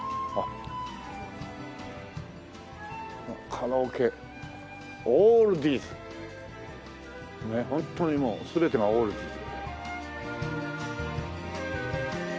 「カラオケＯＬＤディーズ」ねっホントにもう全てがオールディーズ。